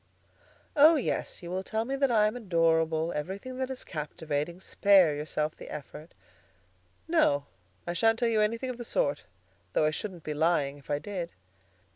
"Oh, yes! You will tell me that I am adorable; everything that is captivating. Spare yourself the effort." "No; I shan't tell you anything of the sort, though I shouldn't be lying if I did."